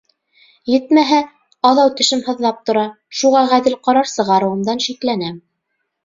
Етмәһә, аҙау тешем һыҙлап тора, шуға ғәҙел ҡарар сығарыуымдан шикләнәм.